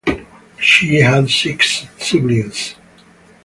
She had six siblings.